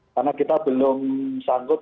karena kita belum sanggup